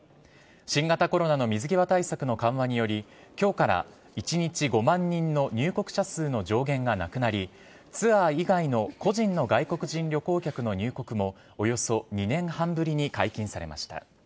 新型コロナの水際対策の緩和により、きょうから１日５万人の入国者数の上限がなくなり、ツアー以外の個人の外国人旅行客の入国も、およそ２年半ぶりに解禁されました。